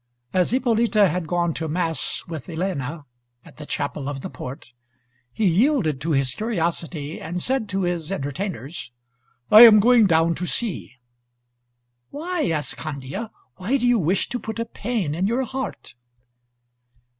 As Ippolita had gone to mass with Elena at the chapel of the Port, he yielded to his curiosity and said to his entertainers: "I am going down to see." "Why?" asked Candia. "Why do you wish to put a pain in your heart?"